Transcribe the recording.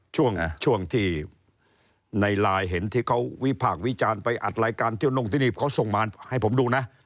ช่วงที่ในไลน์เห็นที่เขาวิพากษ์วิจารณ์ไปอัดรายการเที่ยวน่งที่นี่เขาส่งมาให้ผมดูนะ